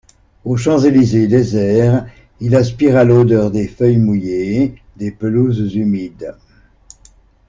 Aux Champs-Elysées déserts, il aspira l'odeur des feuilles mouillées, des pelouses humides.